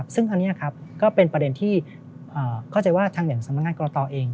ซึ่งอันนี้ครับก็เป็นประเด็นที่เข้าใจว่าทางอย่างสำนักงานกรตอเอง